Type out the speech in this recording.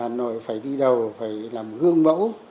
hà nội phải đi đầu phải làm gương mẫu